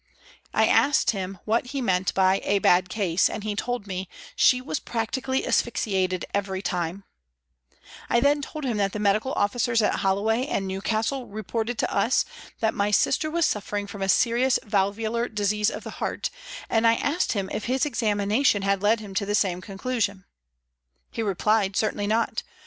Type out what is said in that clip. I asked him what he meant by a ' bad case,' and he said ' She was practically asphyxiated every time' I then told him that the medical officers at Holloway and New castle reported to us that my sister was suffering from serious valvular disease of the heart, and I asked him if his examination had led him to the same conclusion. He replied ' Certainly not.